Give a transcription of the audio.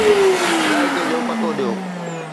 علائقي جو پتو ڏيو